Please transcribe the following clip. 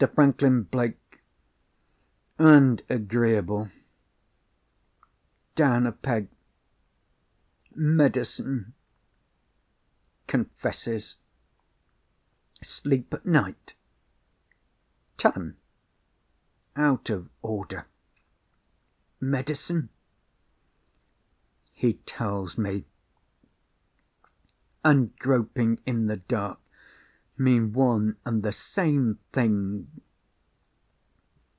Franklin Blake ... and agreeable ... down a peg ... medicine ... confesses ... sleep at night ... tell him ... out of order ... medicine ... he tells me ... and groping in the dark mean one and the same thing